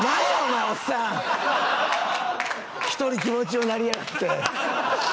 １人、気持ちようなりやがって！